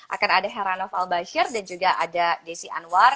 akan ada heranov albasir dan juga ada desi anwar